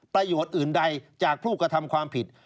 ประโยชน์อื่นใดจากผู้กระทำความผิด